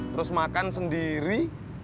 terus makan sendiri